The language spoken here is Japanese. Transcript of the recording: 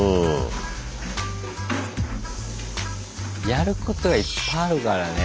やることはいっぱいあるからね。